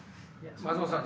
松本さん